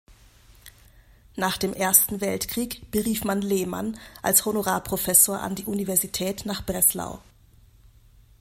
Nach dem Ersten Weltkrieg berief man Lehmann als Honorarprofessor an die Universität nach Breslau.